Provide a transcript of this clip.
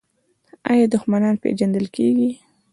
آیا دښمنان پیژندل شوي؟